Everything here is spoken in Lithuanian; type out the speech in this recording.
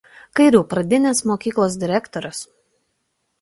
Kairių pagrindinės mokyklos direktorius.